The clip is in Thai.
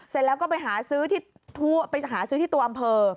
เสร็จแล้วก็ไปหาซื้อที่ทั่วอำเภอ